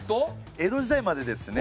江戸時代までですね